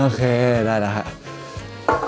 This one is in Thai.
โอเคได้แล้วค่ะ